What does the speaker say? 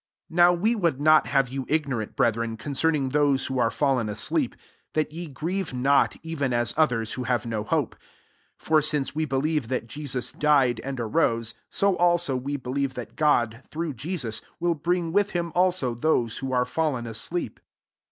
13 NOW we would not te^re • Gr.vetseL Newcome. 1 THESSALONIANS V. 333 you ignorant, brethren, con« ceming those who are fallen asleep; that ye grieve not, even as others, who have no hope. 14 For since we believe that Jesus died, and arose; so also, we believe that God, through Jesus, will bring with him also those who are fallen asleep.